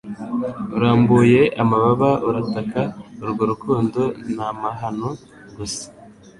Urambuye amababa urataka urwo rukundo ni amahano gusa